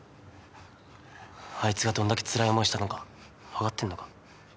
あいつがどんだけつらい思いしたのか分かってんのか？